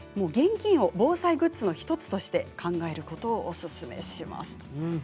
現金を防災グッズの１つとして考えることをおすすめします。